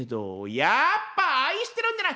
「やっぱ愛してるんじゃない！